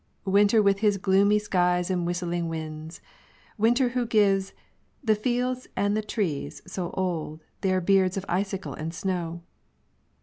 Winter, with his gloomy skies and whistling winds ! Winter who gives The fields and the trees, so old, Their beards of icicles and snow.